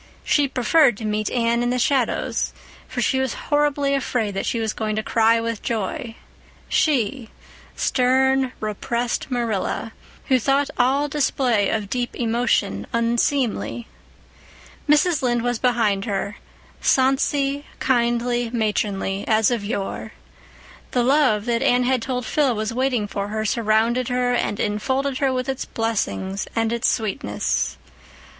She preferred to meet Anne in the shadows, for she was horribly afraid that she was going to cry with joy—she, stern, repressed Marilla, who thought all display of deep emotion unseemly. Mrs. Lynde was behind her, sonsy, kindly, matronly, as of yore. The love that Anne had told Phil was waiting for her surrounded her and enfolded her with its blessing and its sweetness.